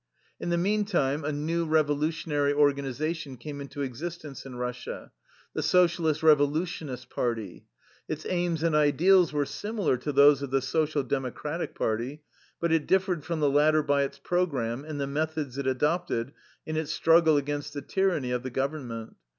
In the meantime a new revolutionary organ ization came into existence in Russia, the " So cialist Revolutionists' Party.'' Its aims and ideals were similar to those of the Social Democratic Party, but it differed from the latter by its program and the methods it adopted in its struggle against the tyranny of the Government.